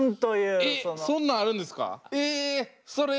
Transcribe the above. えっそんなんあるんですか？